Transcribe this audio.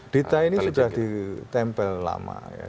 dita ini sudah ditempel lama ya